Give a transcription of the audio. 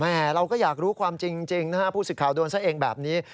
แม่เราก็อยากรู้ความจริงผู้สึกข่าวโดนเสียเองแบบนี้